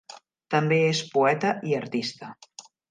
També és poeta i artista.